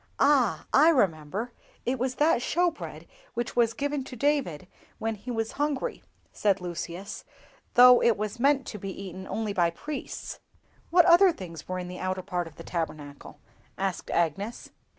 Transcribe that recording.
"Ah! I remember, it was that show bread which was given to David when he was hungry," said Lucius, "though it was meant to be eaten only by priests." "What other things were in the outer part of the Tabernacle?" asked Agnes.